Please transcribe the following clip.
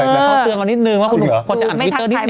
แต่เขาเตือนมานิดนึงว่าคุณหนุ่มคนจะอ่านทวิตเตอร์นิดนึ